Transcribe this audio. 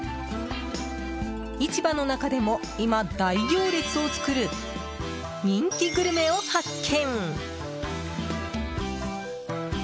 市場の中でも今、大行列を作る人気グルメを発見。